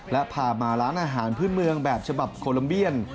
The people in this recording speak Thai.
และพามาร้านอาหารพื้นเมืองแบบฉบับโคลัมเบียน